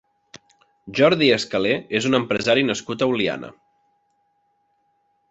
Jordi Escaler és un empresari nascut a Oliana.